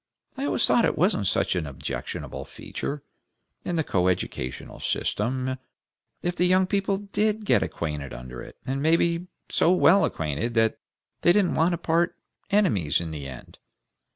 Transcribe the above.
I always thought it wasn't such an objectionable feature, in the coeducational system, if the young people did get acquainted under it, and maybe so well acquainted that they didn't want to part enemies in the end.